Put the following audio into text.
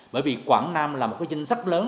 bởi vì quảng nam là một cái danh sách lớn